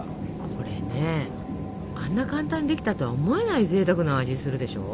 これねあんな簡単にできたとは思えないぜいたくな味するでしょ？